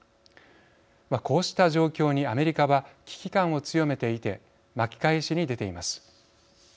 こうした状況にアメリカは危機感を強めていて巻き返しに出ています。